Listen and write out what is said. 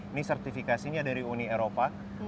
ini sertifikasinya dari uni eropa